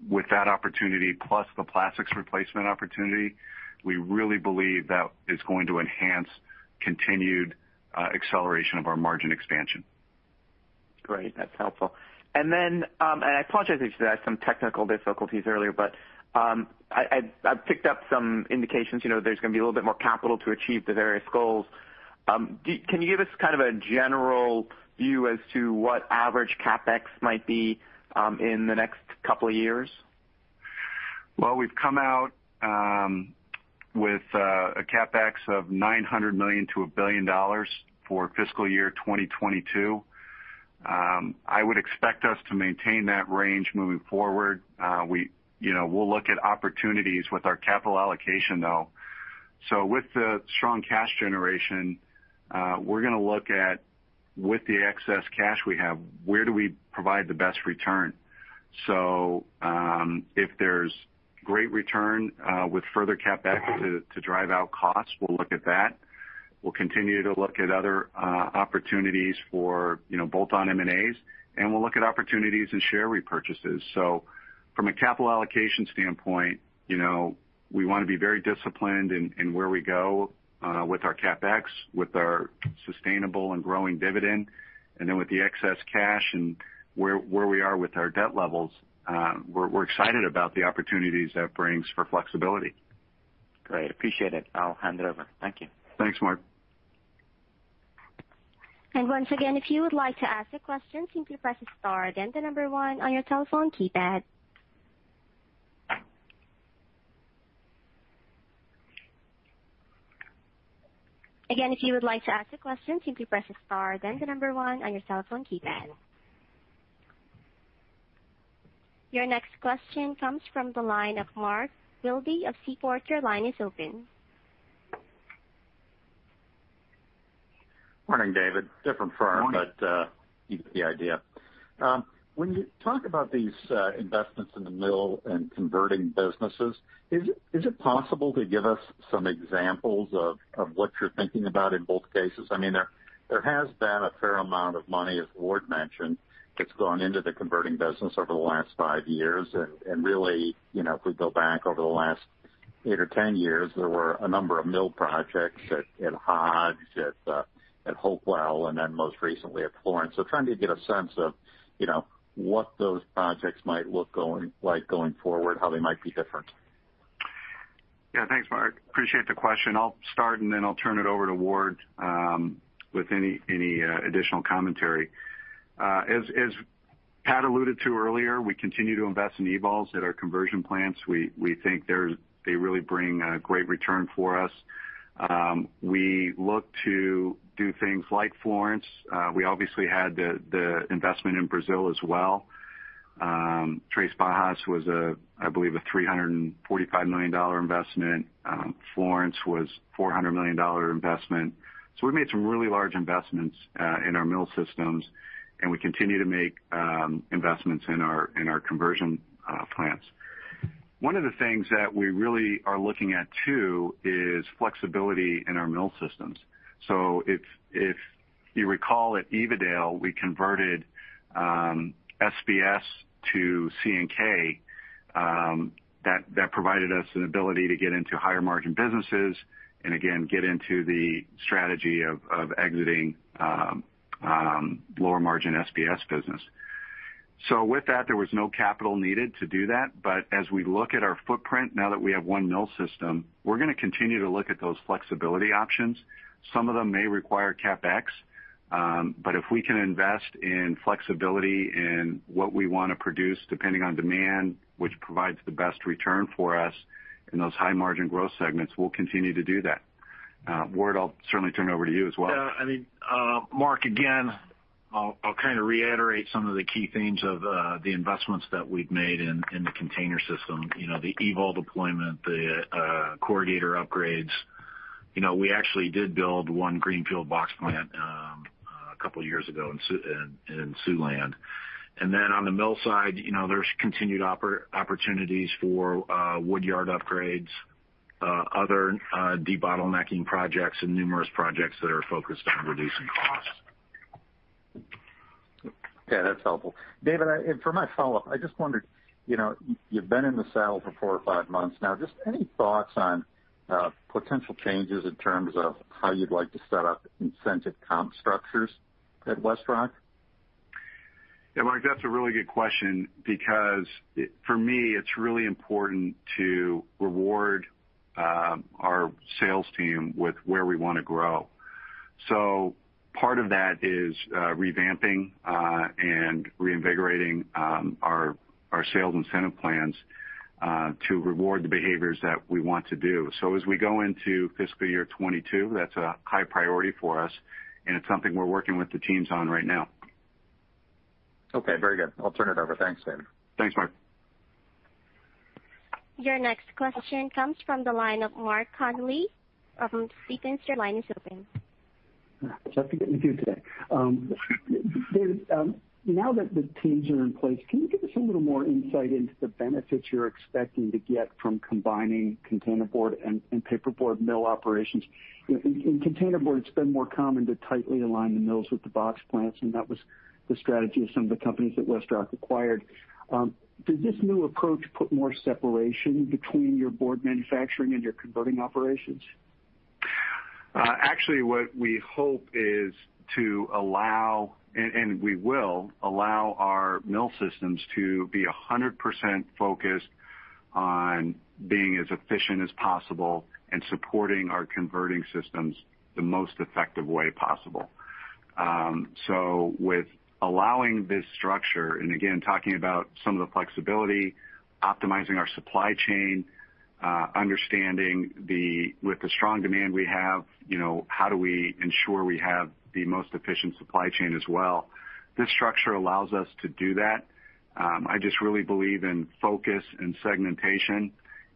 with that opportunity plus the plastics replacement opportunity, we really believe that is going to enhance continued acceleration of our margin expansion. Great. That's helpful. I apologize because I had some technical difficulties earlier, but I've picked up some indications there's going to be a little bit more capital to achieve the various goals. Can you give us kind of a general view as to what average CapEx might be in the next couple of years? Well, we've come out with a CapEx of $900 million- $1 billion for fiscal year 2022. I would expect us to maintain that range moving forward. We'll look at opportunities with our capital allocation, though. With the strong cash generation, we're going to look at with the excess cash we have, where do we provide the best return? If there's great return with further CapEx to drive out costs, we'll look at that. We'll continue to look at other opportunities for bolt-on M&As, and we'll look at opportunities in share repurchases. From a capital allocation standpoint, we want to be very disciplined in where we go with our CapEx, with our sustainable and growing dividend, and then with the excess cash, and where we are with our debt levels. We're excited about the opportunities that brings for flexibility. Great. Appreciate it. I'll hand it over. Thank you. Thanks, Mark. And once again, if you would like to ask a question, simply press star then the number one on your telephone keypad. Again, if you would like to ask a question, simply press star then the number one on your telephone keypad. Your next question comes from the line of Mark Gilby of Seaport. Your line is open. Morning, David. Morning. You get the idea. When you talk about these investments in the mill and converting businesses, is it possible to give us some examples of what you're thinking about in both cases? There has been a fair amount of money, as Ward mentioned, that's gone into the converting business over the last five years, and really, if we go back over the last eight or 10 years, there were a number of mill projects at Hodge, at Hopewell, and then most recently at Florence. Trying to get a sense of what those projects might look like going forward, how they might be different. Thanks, Mark. Appreciate the question. I'll start, and then I'll turn it over to Ward with any additional commentary. As Pat alluded to earlier, we continue to invest in EVOLs at our conversion plants. We think they really bring a great return for us. We look to do things like Florence. We obviously had the investment in Brazil as well. Três Barras was, I believe, a $345 million investment. Florence was a $400 million investment. We made some really large investments in our mill systems, and we continue to make investments in our conversion plants. One of the things that we really are looking at too is flexibility in our mill systems. If you recall, at Evadale, we converted SBS to CNK. That provided us an ability to get into higher-margin businesses and again, get into the strategy of exiting lower-margin SBS business. With that, there was no capital needed to do that. As we look at our footprint now that we have one mill system, we're going to continue to look at those flexibility options. Some of them may require CapEx. If we can invest in flexibility in what we want to produce, depending on demand, which provides the best return for us in those high-margin growth segments, we'll continue to do that. Ward, I'll certainly turn it over to you as well. Yeah. Mark, again, I'll kind of reiterate some of the key themes of the investments that we've made in the container system. The EVOL deployment, the corrugator upgrades. We actually did build one greenfield box plant a couple of years ago in Siouxland. Then on the mill side, there's continued opportunities for woodyard upgrades, other debottlenecking projects, and numerous projects that are focused on reducing costs. Okay. That's helpful. David, for my follow-up, I just wondered, you've been in the saddle for four or five months now, just any thoughts on potential changes in terms of how you'd like to set up incentive comp structures at WestRock? Yeah, Mark, that's a really good question because, for me, it's really important to reward our sales team with where we want to grow. Part of that is revamping and reinvigorating our sales incentive plans to reward the behaviors that we want to do. As we go into FY 2022, that's a high priority for us, and it's something we're working with the teams on right now. Okay. Very good. I'll turn it over. Thanks, David. Thanks, Mark. Your next question comes from the line of Mark Connelly from Stephens. Your line is open. Just getting you today. David, now that the teams are in place, can you give us a little more insight into the benefits you're expecting to get from combining containerboard and paperboard mill operations? In containerboard, it's been more common to tightly align the mills with the box plants, and that was the strategy of some of the companies that WestRock acquired. Does this new approach put more separation between your board manufacturing and your converting operations? Actually, what we hope is to allow, and we will allow our mill systems to be 100% focused on being as efficient as possible and supporting our converting systems the most effective way possible. With allowing this structure, and again, talking about some of the flexibility, optimizing our supply chain, understanding with the strong demand we have, how do we ensure we have the most efficient supply chain as well? This structure allows us to do that. I just really believe in focus and segmentation,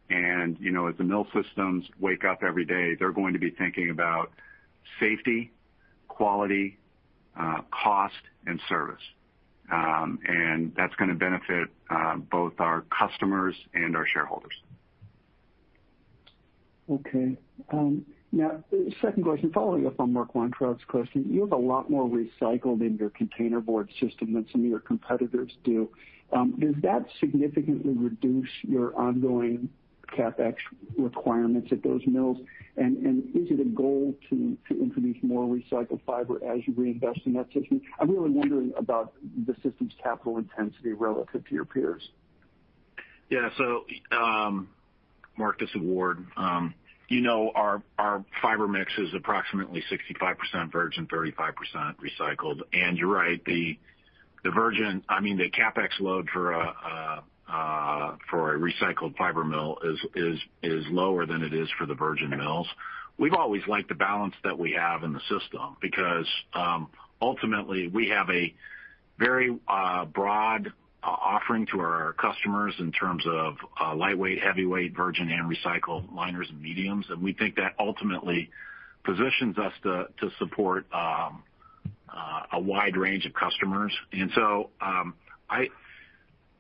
as the mill systems wake up every day, they're going to be thinking about safety, quality, cost, and service. That's going to benefit both our customers and our shareholders. Okay. Second question, following up on Mark Weintraub's question. You have a lot more recycled in your containerboard system than some of your competitors do. Does that significantly reduce your ongoing CapEx requirements at those mills? Is it a goal to introduce more recycled fiber as you reinvest in that system? I'm really wondering about the system's capital intensity relative to your peers. Yeah. Mark, this is Ward. Our fiber mix is approximately 65% virgin, 35% recycled. You're right, the CapEx load for a recycled fiber mill is lower than it is for the virgin mills. We've always liked the balance that we have in the system because, ultimately, we have a very broad-offering to our customers in terms of lightweight, heavyweight, virgin, and recycled liners and mediums. We think that ultimately positions us to support a wide range of customers.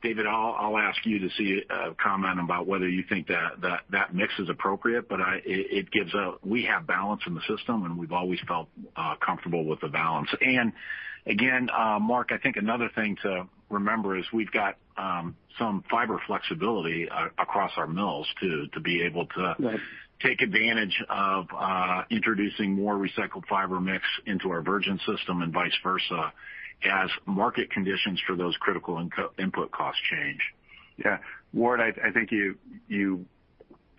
David, I'll ask you to comment about whether you think that mix is appropriate, but we have balance in the system, and we've always felt comfortable with the balance. Again, Mark, I think another thing to remember is we've got some fiber flexibility across our mills too. Right Take advantage of introducing more recycled fiber mix into our virgin system and vice versa as market conditions for those critical input costs change. Yeah. Ward, I think you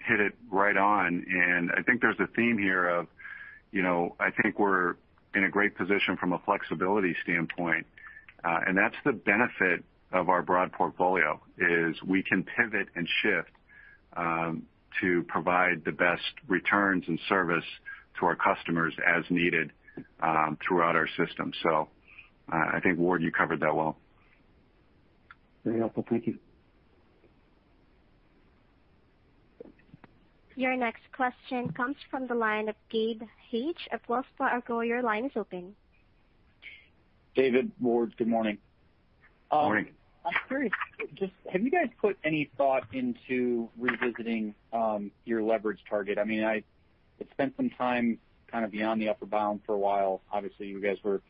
hit it right on. I think there's a theme here of, I think we're in a great position from a flexibility standpoint. That's the benefit of our broad portfolio, is we can pivot and shift to provide the best returns and service to our customers as needed throughout our system. I think, Ward, you covered that well. Very helpful. Thank you. Your next question comes from the line of Gabe H. of Wells Fargo. Your line is open. David, Ward, good morning. Morning. I'm curious, just have you guys put any thought into revisiting your leverage target? It spent some time kind of beyond the upper bound for a while. Obviously, you guys were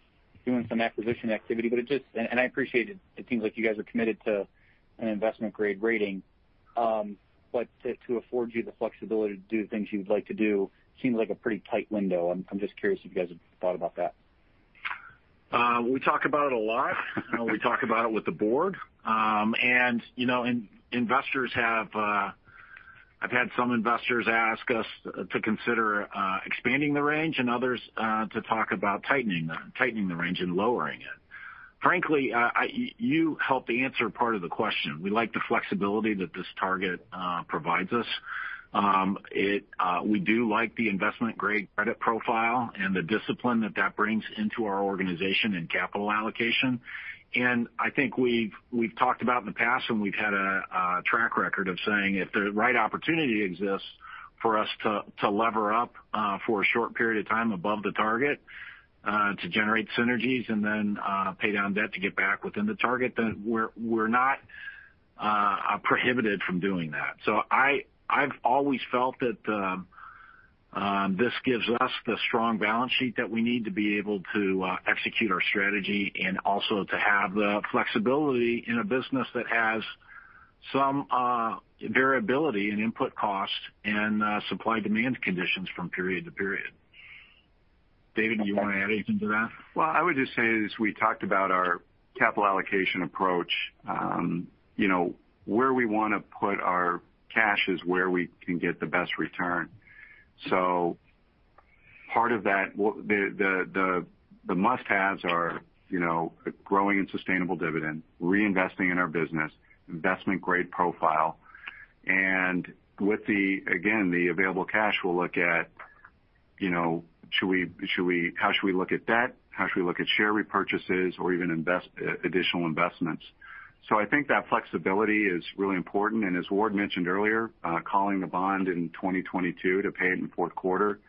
doing some acquisition activity, I appreciate it seems like you guys are committed to an investment-grade rating. To afford you the flexibility to do things you'd like to do seems like a pretty tight window. I'm just curious if you guys have thought about that. We talk about it a lot. We talk about it with the board. I've had some investors ask us to consider expanding the range and others to talk about tightening the range and lowering it. Frankly, you helped answer part of the question. We like the flexibility that this target provides us. We do like the investment-grade credit profile and the discipline that that brings into our organization and capital allocation. I think we've talked about in the past, and we've had a track record of saying if the right opportunity exists for us to lever up for a short period of time above the target to generate synergies and then pay down debt to get back within the target, then we're not prohibited from doing that. I've always felt that this gives us the strong balance sheet that we need to be able to execute our strategy and also to have the flexibility in a business that has some variability in input cost and supply-demand conditions from period to period. David, do you want to add anything to that? Well, I would just say, as we talked about our capital allocation approach, where we want to put our cash is where we can get the best return. Part of that, the must-haves are a growing and sustainable dividend, reinvesting in our business, investment-grade profile. With the, again, the available cash, we'll look at how should we look at debt, how should we look at share repurchases or even additional investments. I think that flexibility is really important. As Ward mentioned earlier, calling the bond in 2022 to pay it in the fourth quarter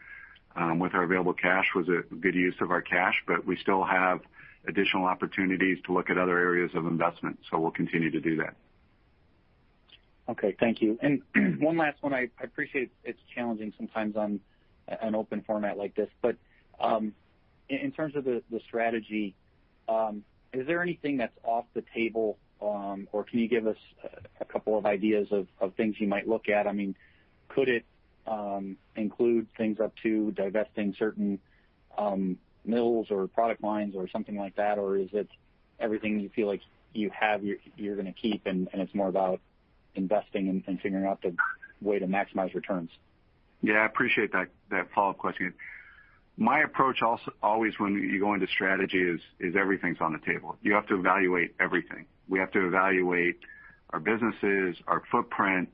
with our available cash was a good use of our cash, but we still have additional opportunities to look at other areas of investment. We'll continue to do that. Okay. Thank you. One last one. I appreciate it's challenging sometimes on an open format like this, but in terms of the strategy, is there anything that's off the table? Can you give us a couple of ideas of things you might look at? Could it include things up to divesting certain mills or product lines or something like that, or is it everything you feel like you have, you're gonna keep, and it's more about investing and figuring out the way to maximize returns? Yeah, I appreciate that follow-up question. My approach always when you go into strategy is everything's on the table. You have to evaluate everything. We have to evaluate our businesses, our footprint,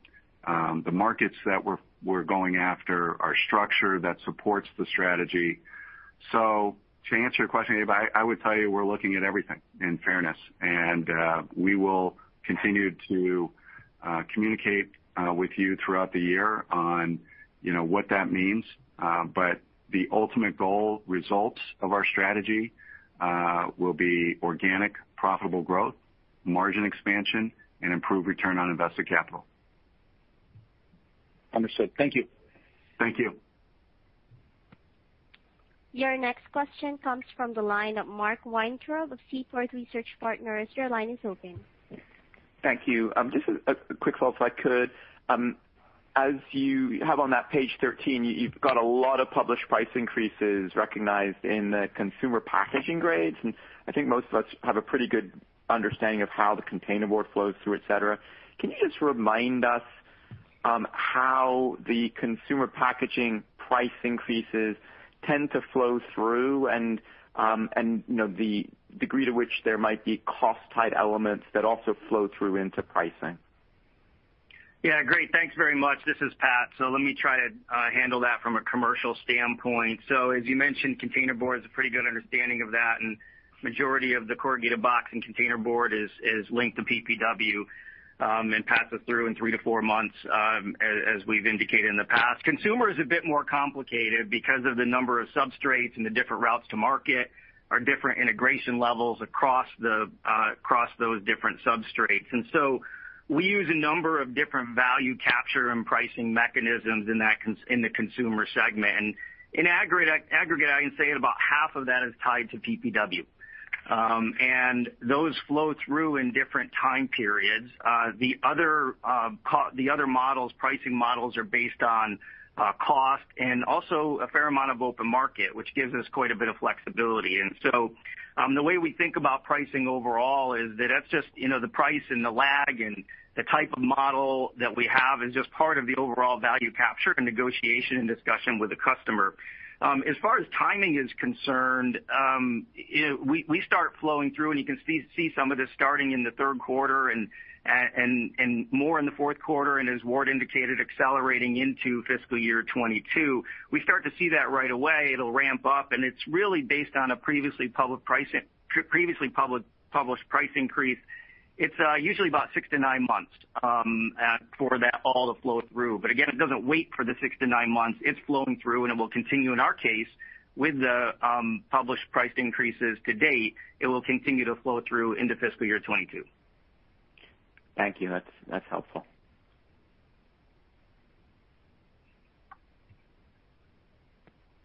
the markets that we're going after, our structure that supports the strategy. To answer your question, Gabe, I would tell you we're looking at everything, in fairness. We will continue to communicate with you throughout the year on what that means. The ultimate goal results of our strategy will be organic, profitable growth, margin expansion, and improved return on invested capital. Understood. Thank you. Thank you. Your next question comes from the line of Mark Weintraub of Seaport Research Partners. Your line is open. Thank you. Just a quick follow-up, if I could. As you have on that page 13, you've got a lot of published price increases recognized in the Consumer Packaging grades, and I think most of us have a pretty good understanding of how the containerboard flows through, et cetera. Can you just remind us how the Consumer Packaging price increases tend to flow through and the degree to which there might be cost-tied elements that also flow through into pricing? Yeah, great. Thanks very much. This is Pat. Let me try to handle that from a commercial standpoint. As you mentioned, containerboard has a pretty good understanding of that, and majority of the corrugated box and containerboard is linked to PPW, and passes through in two to four months, as we've indicated in the past. Consumer is a bit more complicated because of the number of substrates and the different routes to market, our different integration levels across those different substrates. We use a number of different value capture and pricing mechanisms in the consumer segment. In aggregate, I can say about half of that is tied to PPW. Those flow through in different time periods. The other pricing models are based on cost and also a fair amount of open market, which gives us quite a bit of flexibility. The way we think about pricing overall is that the price and the lag and the type of model that we have is just part of the overall value capture and negotiation and discussion with the customer. As far as timing is concerned, we start flowing through, and you can see some of this starting in the third quarter and more in the fourth quarter, and as Ward indicated, accelerating into fiscal year 2022. We start to see that right away. It'll ramp up, and it's really based on a previously published price increase. It's usually about six to nine months for that all to flow through. Again, it doesn't wait for the 6-9 months. It's flowing through, and it will continue, in our case, with the published price increases to date, it will continue to flow through into fiscal year 2022. Thank you. That's helpful.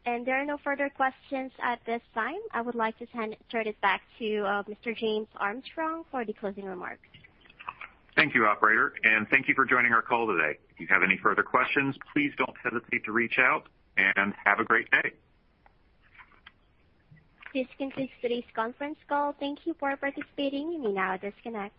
There are no further questions at this time. I would like to turn it back to Mr. James Armstrong for the closing remarks. Thank you, operator. Thank you for joining our call today. If you have any further questions, please don't hesitate to reach out. Have a great day. This concludes today's conference call. Thank you for participating. You may now disconnect.